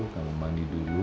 kamu manggil dulu